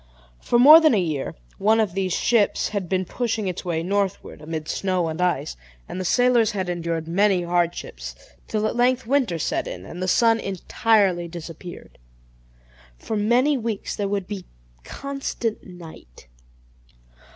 For more than a year one of these ships had been pushing its way northward, amid snow and ice, and the sailors had endured many hardships; till at length winter set in, and the sun entirely disappeared; for many weeks there would be constant night.